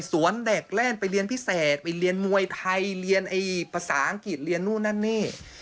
เด็กเล่นไปเรียนพิเศษไปเรียนมวยไทยเรียนภาษาอังกฤษเรียนนู่นนั่นนี่